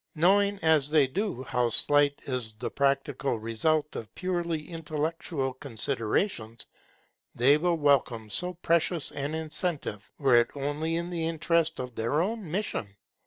Knowing, as they do, how slight is the practical result of purely intellectual considerations, they will welcome so precious an incentive, were it only in the interest of their own mission.